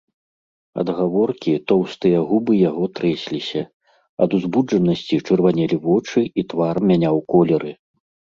Ад гаворкі тоўстыя губы яго трэсліся, ад узбуджанасці чырванелі вочы і твар мяняў колеры.